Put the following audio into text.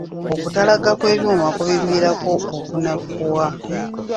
Okutalagga kw'ebyuma kubiviirako okunafuwa.